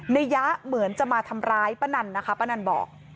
ยะเหมือนจะมาทำร้ายป้านันนะคะป้านันบอก